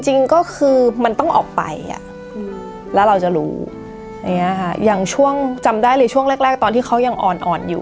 จริงก็คือมันต้องออกไปอ่ะแล้วเราจะรู้อย่างนี้ค่ะอย่างช่วงจำได้เลยช่วงแรกแรกตอนที่เขายังอ่อนอ่อนอยู่